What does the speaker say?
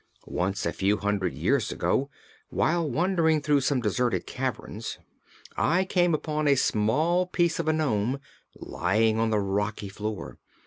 Once, a few hundred years ago, while wandering through some deserted caverns, I came upon a small piece of a nome lying on the rocky floor.